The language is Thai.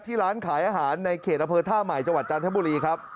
ร้านขายอาหารในเขตอเภอท่าใหม่จังหวัดจันทบุรีครับ